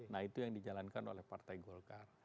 nah itu yang dijalankan oleh partai golkar